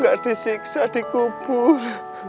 gak disiksa dikubur